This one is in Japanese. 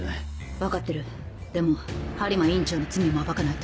分かってるでも播磨院長の罪も暴かないと。